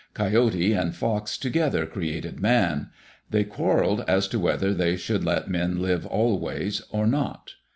Coyote and Fox together created man. They quarrelled as to whether they should let men live always or not.